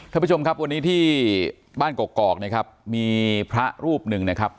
คุณผู้ชมครับวันนี้ที่บ้านกรกมีพระรูปหนึ่งนะครับ